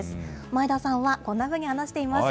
前田さんは、こんなふうに話しています。